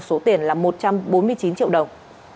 số tiền là một trăm bốn mươi chín triệu đồng